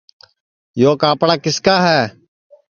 یو کاپڑا کِس کا ہے